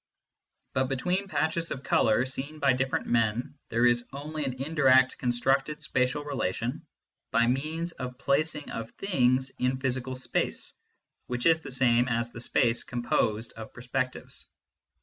But between patches of colour seen by different men there is only an indirect constructed spatial relation by means of the placing of " things " in physical space (which is the same as the space composed of perspec tives).